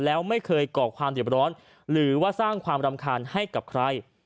แล้วไม่เคยก่อความเด็บร้อนหรือว่าสร้างความรำคาญให้กับใคร